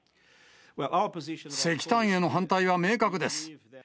石炭への反対は明確です。